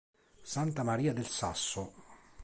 Santa Maria del Sasso